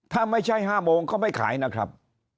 ถ้าไม่ใช่๕โมงก็ไม่ขายนะครับ